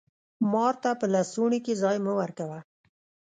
مار ته په لستوڼي کي ځای مه ورکوه!